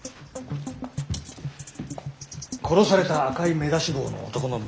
殺された赤い目出し帽の男の身元が分かった。